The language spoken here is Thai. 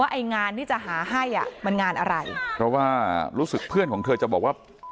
ไอ้งานที่จะหาให้อ่ะมันงานอะไรเพราะว่ารู้สึกเพื่อนของเธอจะบอกว่า